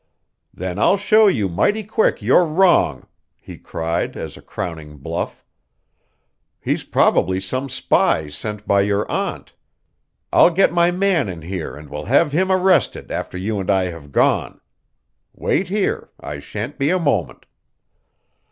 "Then I'll show you mighty quick you're wrong," he cried, as a crowning bluff. "He's probably some spy sent by your aunt. I'll get my man in here and will have him arrested after you and I have gone. Wait here I shan't be a moment."